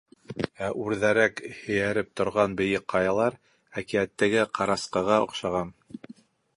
Ә үрҙәрәк һерәйеп торған бейек ҡаялар әкиәттәге ҡарасҡыға оҡшаған.